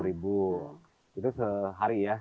itu sehari ya